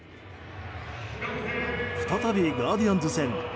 再びガーディアンズ戦。